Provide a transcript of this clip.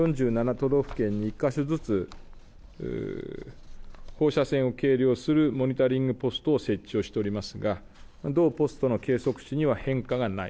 都道府県に１か所ずつ、放射線を計量するモニタリングポストを設置をしておりますが、同ポストの計測値には変化がない。